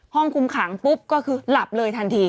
ห้องคุมขังปุ๊บก็คือหลับเลยทันที